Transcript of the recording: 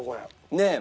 ねえ。